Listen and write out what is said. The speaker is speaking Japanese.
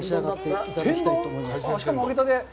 しかも揚げたて。